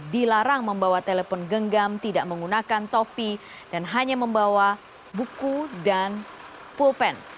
dilarang membawa telepon genggam tidak menggunakan topi dan hanya membawa buku dan pulpen